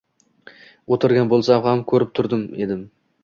O’tirgan bo‘lsam ham, ko‘rib turib edim